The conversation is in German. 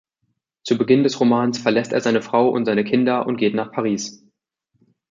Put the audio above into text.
Zu Beginn des Romans verlässt er seine Frau und seine Kinder und geht nach Paris.